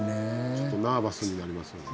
ちょっとナーバスになりますよね。